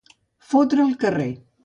Fotre al carrer.